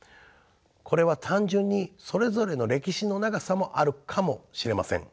これは単純にそれぞれの歴史の長さもあるかもしれません。